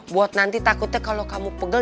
buat nanti takutnya kalau kamu pegel